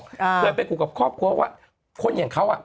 เคยไปคุยกับครอบครัวว่าคนอย่างเขาอ่ะ